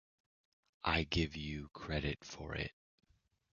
I give you credit for it.